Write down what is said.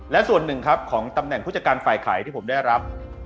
และส่วนหนึ่งครับของตำแหน่งผู้จัดการฝ่ายขายที่ผมได้รับ